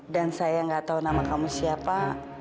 dan saya gak tahu nama kamu siapa